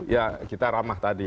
ya kita ramah tadi